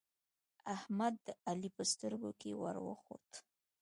احمد د علی په سترګو کې ور وخوت